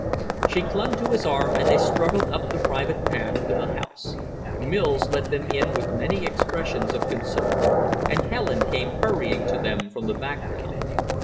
She clung to his arm, and they struggled up the private path to the house. Mills let them in with many expressions of concern, and Helen came hurrying to them from the background.